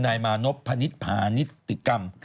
นายมานพพนิษฐพานิสติกรรม